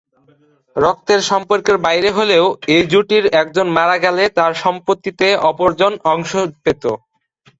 রক্তের সম্পর্কের বাইরে হলেও এই জুটির একজন মারা গেলে তার সম্পত্তিতে অপরজন অংশ পেত।